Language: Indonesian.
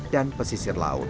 dan pesisir laut